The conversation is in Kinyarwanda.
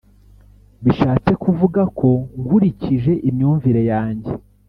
Bishatse kuvuga ko nkurikije imyumvire yanjye